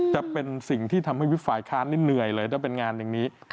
จะเป็นสิ่งที่ทำให้วิบฝ่ายค้านนี่เหนื่อยเลยถ้าเป็นงานอย่างนี้